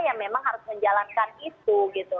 yang memang harus menjalankan itu gitu